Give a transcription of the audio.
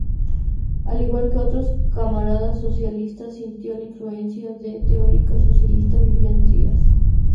Al igual que otros camaradas socialistas, sintió la influencia del teórico socialista Vivian Trías.